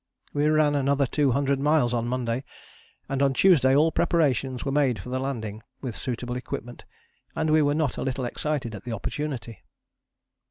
We ran another two hundred miles on Monday, and on Tuesday all preparations were made for the landing, with suitable equipment, and we were not a little excited at the opportunity.